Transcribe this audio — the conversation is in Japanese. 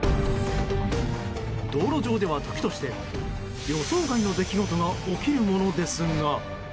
道路上では、時として予想外の出来事が起きるものですが。